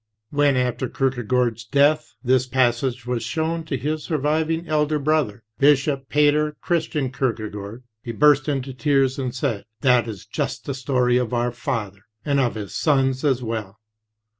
When after Kierkegaard's death this passage was shown to his surviving elder brother, Bishop Peder Christian Kierkegaard, he burst into tears and said: "That is just the story of our father, and of his sons as well."